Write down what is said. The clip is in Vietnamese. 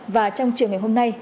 và trong chiều ngày hôm nay